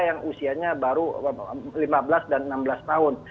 yang usianya baru lima belas dan enam belas tahun